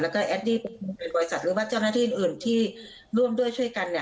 แล้วก็แอดดี้ในบริษัทหรือว่าเจ้าหน้าที่อื่นที่ร่วมด้วยช่วยกัน